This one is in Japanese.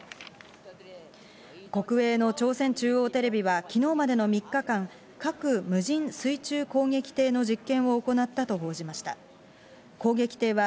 国営の朝鮮中央テレビは昨日までの３日間、核無人水中攻撃艇の実験を行ったと報じました。